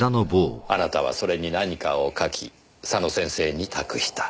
あなたはそれに何かを書き佐野先生に託した。